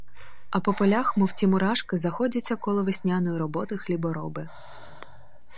А по полях, мов ті мурашки, заходяться коло весняної роботи хлібороби.